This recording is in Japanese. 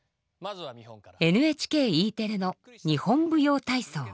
ＮＨＫＥテレの「日本舞踊体操」。